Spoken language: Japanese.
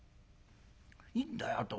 「いいんだよあとは。